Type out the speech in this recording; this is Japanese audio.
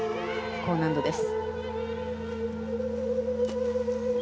高難度です。